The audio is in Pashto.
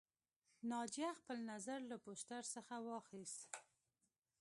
ناجیه خپل نظر له پوسټر څخه واخیست